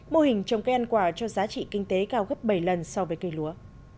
mô hình trồng cây ăn quả cho giá trị kinh tế cao gấp bảy lần so với cây lúa